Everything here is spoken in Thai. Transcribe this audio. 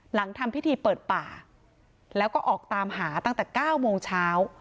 หลังทำพิธีเปิดป่าแล้วก็ออกตามหาตั้งแต่๙โมงเช้า